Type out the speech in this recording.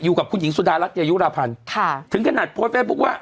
อยู่กับคุณหญิงสุดารัฐเกยุราพันธ์ค่ะถึงขนาดโพสต์เฟซบุ๊คว่า